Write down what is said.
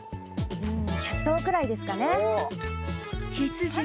うん１００頭ぐらいですかね